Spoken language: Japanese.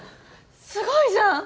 すごいじゃん！